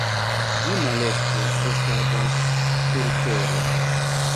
Ĝi malofte restadas surtere.